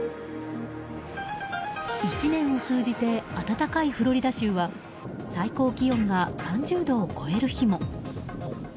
１年を通じて暖かいフロリダ州は最高気温が３０度を超える日も。